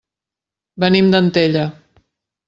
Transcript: Venim d'Antella.